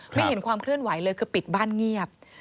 ไม่เห็นความเคลื่อนไหวเลยคือปิดบ้านเงียบ